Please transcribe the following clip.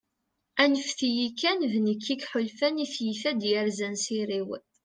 anfet-iyi kan, d nekk i yeḥulfan, i tyita i d-yerzan s iri-w